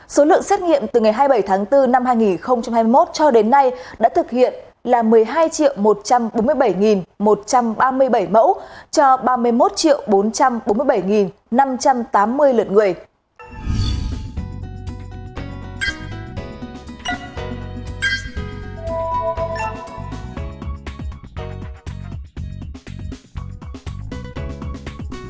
số lượng xét nghiệm từ ngày hai mươi bảy tháng bốn năm hai nghìn hai mươi một cho đến nay đã thực hiện là một mươi hai một trăm bốn mươi bảy một trăm ba mươi bảy mẫu cho ba mươi một bốn trăm bốn mươi bảy năm trăm tám mươi lượt người